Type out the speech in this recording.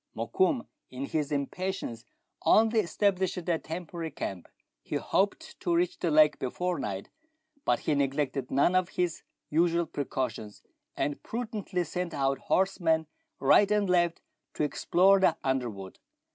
Mokoum, in his impa tience, only established a temporary camp ; he hoped to reach the lake before night ; but he neglected none of his usual precautions, and prudently sent out horsemen right and left to explore the underwood.